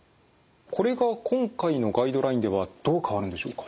これが今回のガイドラインではどう変わるんでしょうか。